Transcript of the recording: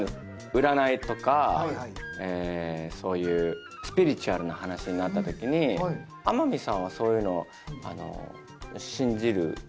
占いとかそういうスピリチュアルな話になったときに天海さんはそういうの信じるタイプですか？